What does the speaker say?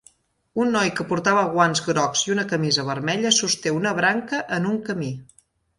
Un noi que portava guants grocs i una camisa vermella sosté una branca en un camí.